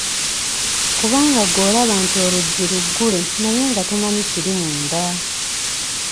Kubanga ggwe olaba nti oluggi luggule naye nga tomanyi kiri munda!